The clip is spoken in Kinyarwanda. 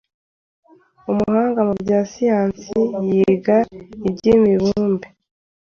Umuhanga mu bya siyansi yiga iby’imibumbe